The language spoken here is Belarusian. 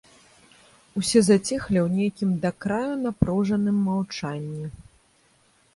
Усе заціхлі ў нейкім да краю напружаным маўчанні.